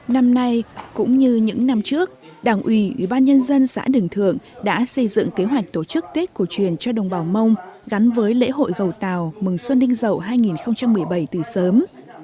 năm nay cũng như những năm trước đảng ủy ủy ban nhân dân xã đường thượng đã xây dựng kế hoạch tổ chức tết cổ truyền cho đồng bào mông gắn với lễ hội gầu tàu mừng xuân đinh dậu hai nghìn một mươi bảy từ sớm